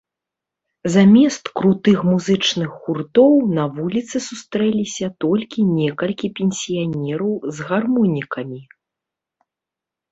Замест крутых музычных гуртоў на вуліцы сустрэліся толькі некалькі пенсіянераў з гармонікамі.